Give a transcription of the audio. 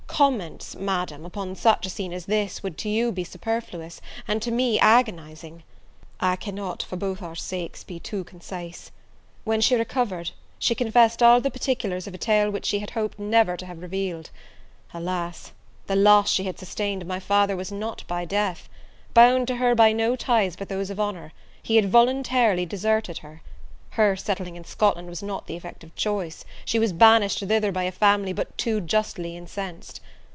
Comments, Madam, upon such a scene as this, would to you be superfluous, and to me agonizing: I cannot, for both our sakes, be too concise. When she recovered, she confessed all the particulars of a tale which she had hoped never to have revealed. Alas! the loss she had sustained of my father was not by death! bound to her by no ties but those of honour, he had voluntarily deserted her! Her settling in Scotland was not the effect of choice, she was banished thither by a family but too justly incensed.